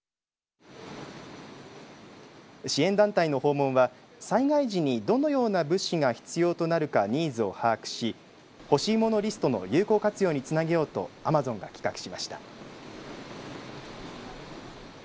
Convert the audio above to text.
支援団体の訪問は、災害時にどのような物資が必要となるかニーズを把握しほしい物リストの有効活用につなげようとアマゾンが企画しました。